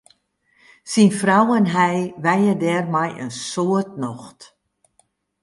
Syn frou en hy wenje dêr mei in soad nocht.